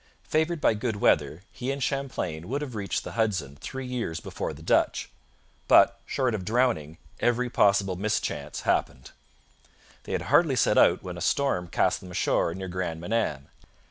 Favoured by good weather, he and Champlain would have reached the Hudson three years before the Dutch. But, short of drowning, every possible mischance happened. They had hardly set out when a storm cast them ashore near Grand Manan.